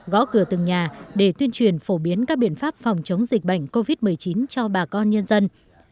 gõ cửa từng nhà để tuyên truyền phổ biến các biện pháp phòng chống dịch bệnh covid một mươi chín cho bà con nhân dân